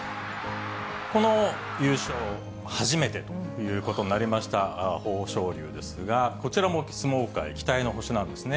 この優勝、初めてということになりました豊昇龍ですが、こちらも相撲界期待の星なんですね。